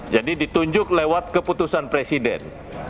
jadi ditunjuk lewat keputusan presiden